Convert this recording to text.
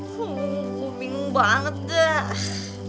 bingung banget deh